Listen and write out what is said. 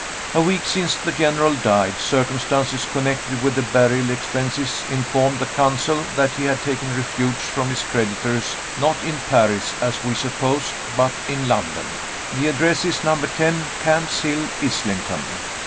"A week since the General died, circumstances connected with the burial expenses informed the Consul that he had taken refuge from his creditors, not in Paris as we supposed, but in London. The address is, Number 10, Camp's Hill, Islington.